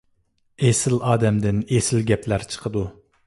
ئېسىل ئادەمدىن ئېسىل گەپلەر چىقىدۇ.